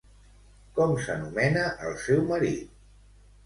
Com s'anomena el seu marit?